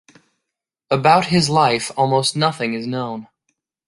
About his life almost nothing is known.